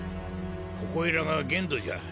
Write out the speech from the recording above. ここいらが限度じゃ。